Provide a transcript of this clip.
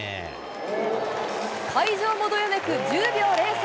会場もどよめく１０秒０３。